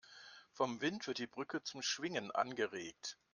Vom Wind wird die Brücke zum Schwingen angeregt.